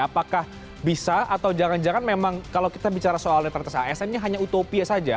apakah bisa atau jangan jangan memang kalau kita bicara soal netralitas asn nya hanya utopia saja